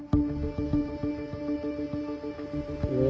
お。